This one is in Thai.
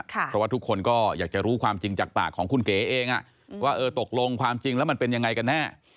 เพราะว่าทุกคนก็อยากจะรู้ความจริงจากปากของคุณเก๋เองว่าเออตกลงความจริงแล้วมันเป็นยังไงกันแน่